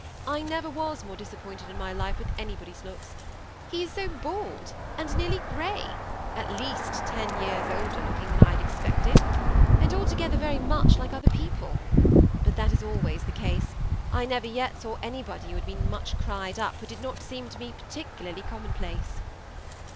I never was more disap pointed in my life with anybody's looks ; he is so bald, and nearly gray, — at least ten years* older looking than I had expected, — and altogether very much like other people. But that is always the case. I never yet saw anybody who had been much cried up, who did not seem to me particularly commonplace."